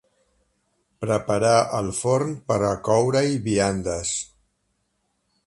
Preparar el forn per a coure-hi viandes.